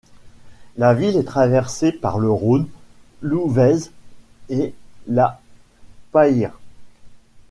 La ville est traversée par le Rhône, l'Ouvèze et la Payre.